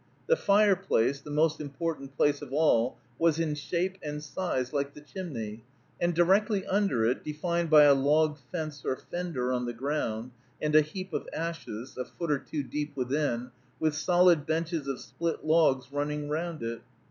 The fireplace, the most important place of all, was in shape and size like the chimney, and directly under it, defined by a log fence or fender on the ground, and a heap of ashes, a foot or two deep within, with solid benches of split logs running round it.